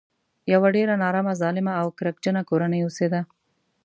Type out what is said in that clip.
یوه ډېره نارامه ظالمه او کرکجنه کورنۍ اوسېده.